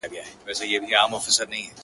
کاڼی مي د چا په لاس کي وليدی.